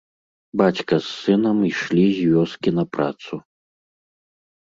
Бацька з сынам ішлі з вёскі на працу.